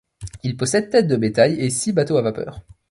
Il possède têtes de bétail et six bateaux à vapeur.